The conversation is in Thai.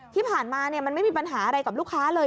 ที่ผ่านมามันไม่มีปัญหาอะไรกับลูกค้าเลย